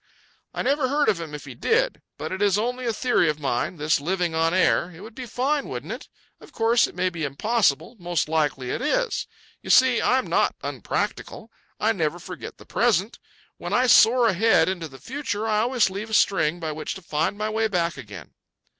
"I never heard of him if he did. But it is only a theory of mine, this living on air. It would be fine, wouldn't it? Of course it may be impossible—most likely it is. You see, I am not unpractical. I never forget the present. When I soar ahead into the future, I always leave a string by which to find my way back again."